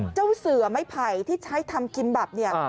เจ้าเสือไม้ไผ่ที่ใช้ทำกินบับเนี่ย